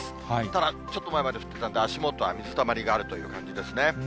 ただ、ちょっと前まで降ってたんで、足元は水たまりがあるという感じですね。